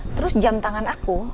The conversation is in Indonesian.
terus jam tangan aku